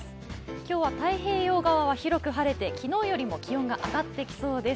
今日は太平洋側は広く晴れて昨日よりも気温が上がってきそうです。